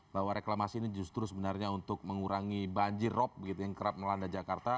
bahwa reklamasi ini justru sebenarnya untuk mengurangi banjir rob begitu yang kerap melanda jakarta